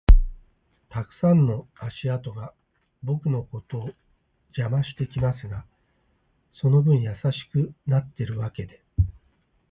たくさんの足跡が僕のことを邪魔してきますが、その分優しくなってるわけで